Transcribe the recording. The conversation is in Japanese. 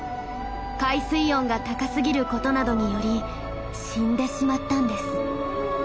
海水温が高すぎることなどにより死んでしまったんです。